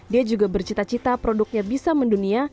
dia juga bercita cita produknya bisa mendunia